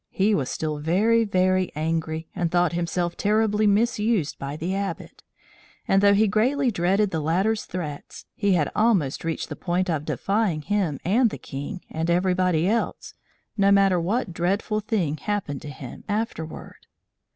He was still very, very angry, and thought himself terribly misused by the Abbot; and though he greatly dreaded the latter's threats, he had almost reached the point of defying him and the king and everybody else, no matter what dreadful thing happened to him afterward.